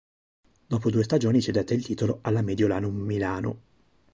Dopo due stagioni cedette il titolo alla Mediolanum Milano.